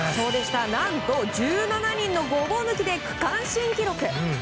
何と、１７人のごぼう抜きで区間新記録。